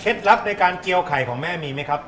ลับในการเจียวไข่ของแม่มีไหมครับ